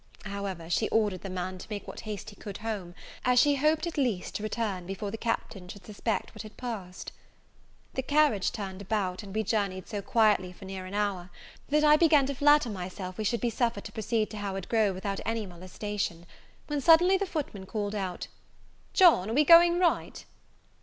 However, she ordered the man to make what haste he could home, as she hoped, at least, to return before the Captain should suspect what had passed. The carriage turned about; and we journeyed so quietly for near an hour, that I began to flatter myself we should be suffered to proceed to Howard Grove without any molestation, when suddenly, the footman called out, "John, are we going right?"